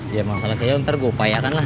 ya masalah kayak ntar gue upayakan lah